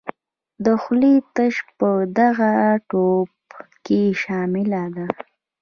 د خولې تشه په دغه تیوپ کې شامله ده.